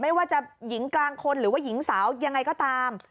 ไม่ว่าจะหญิงกลางคนหรือว่าหญิงสาวยังไงก็ตาม